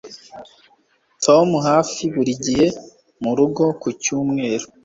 Tom hafi buri gihe murugo ku cyumweru